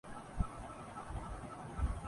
اس ضمن میں اداروں کا مطلب کیا ہے؟